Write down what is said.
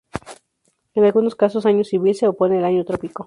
En algunos casos, "año civil" se opone al año trópico.